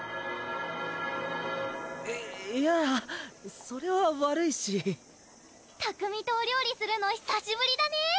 いいやそれは悪いし拓海とお料理するのひさしぶりだね！